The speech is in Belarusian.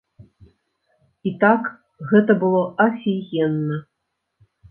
І так, гэта было афігенна.